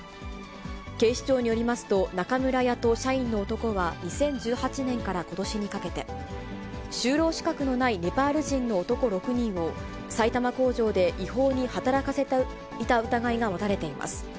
警視庁によりますと、中村屋と社員の男は２０１８年からことしにかけて、就労資格のないネパール人の男６人を埼玉工場で違法に働かせていた疑いが持たれています。